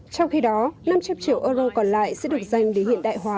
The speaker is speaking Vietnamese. trong khi đó năm trăm linh triệu euro còn lại sẽ được dành để hiện đại hóa